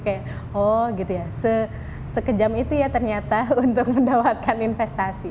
kayak oh gitu ya sekejam itu ya ternyata untuk mendapatkan investasi